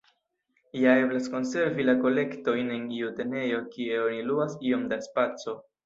Ja eblas konservi la kolektojn en iu tenejo kie oni luas iom da spaco.